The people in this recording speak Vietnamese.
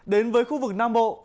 đến với khu vực nam bộ